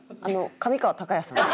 上川隆也さんだ。